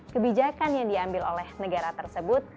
kebijakan yang diambil oleh negara tersebut